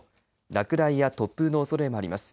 落雷や突風のおそれもあります。